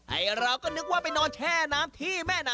ไอ้เราก็นึกว่าไปนอนแช่น้ำที่